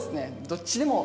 どっちでも。